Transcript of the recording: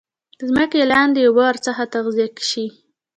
ځمکې لاندي اوبه ورڅخه تغذیه شي.